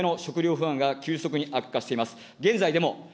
地球規模での食料不安が急速に悪化しています。